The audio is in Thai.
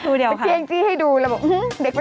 กรมป้องกันแล้วก็บรรเทาสาธารณภัยนะคะ